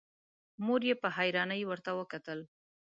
مور يې په حيرانی ورته وکتل.